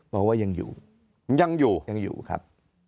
บอกว่ายังอยู่ยังอยู่ยังอยู่ครับ